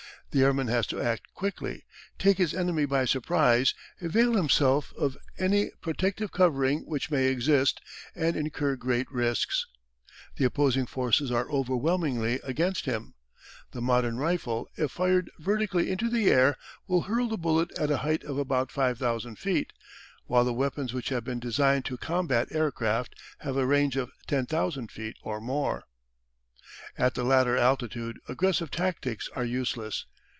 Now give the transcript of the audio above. The airman has to act quickly, take his enemy by surprise, avail himself of any protective covering which may exist, and incur great risks. The opposing forces are overwhelmingly against him. The modern rifle, if fired vertically into the air, will hurl the bullet to a height of about 5,000 feet, while the weapons which have been designed to combat aircraft have a range of 10,000 feet or more. At the latter altitude aggressive tactics are useless.